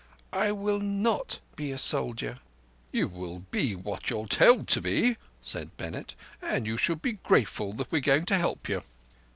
"I will not be a soldier." "You will be what you're told to be," said Bennett; "and you should be grateful that we're going to help you."